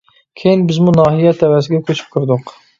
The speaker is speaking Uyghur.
كىيىن بىزمۇ ناھىيە تەۋەسىگە كۆچۈپ كىردۇق.